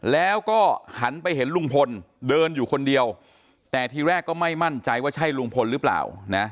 แล้วก็หันไปเห็นลุงพลเดินอยู่คนเดียวแต่ทีแรกก็ไม่มั่นใจว่าใช่ลุงพลหรือเปล่านะ